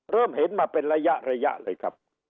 เริ่มเห็นมาเป็นระยะระยะเลยครับ